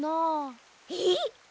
えっ！